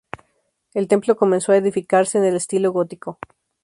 El templo comenzó a edificarse en el estilo gótico.